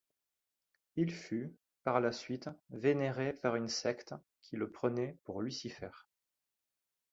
Il fut par la suite vénéré par une secte qui le prenait pour Lucifer.